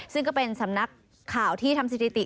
ซึ่งก็เป็นสำนักข่าวที่ทำสถิติ